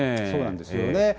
そうなんですよね。